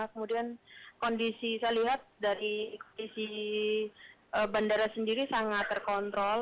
kemudian kondisi saya lihat dari kondisi bandara sendiri sangat terkontrol